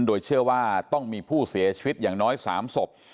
โดยเชื่อว่าต้องมีผู้เสียชีวิตอย่างน้อย๓ศพ